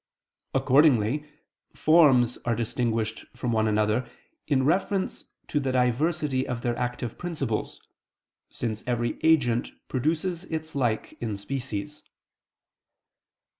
Accordingly forms are distinguished from one another in reference to the diversity of their active principles, since every agent produces its like in species.